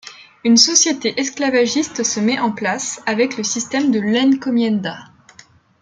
Une société esclavagiste se met en place avec le système de l'encomienda.